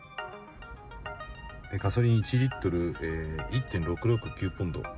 ガソリン１リットル＝１．６６９ポンド。